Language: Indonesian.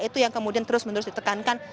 itu yang kemudian terus menerus ditekankan